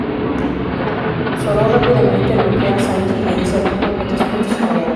Zoro rápidamente noquea a Sanji y le dice a Kuma que respete su palabra.